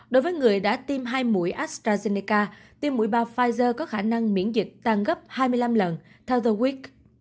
đối với người đã tiêm hai mũi astrazeneca tiêm mũi ba pfizer có khả năng miễn dịch tăng gấp hai mươi năm lần theo the week